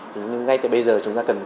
nhưng ngay từ bây giờ chúng ta cần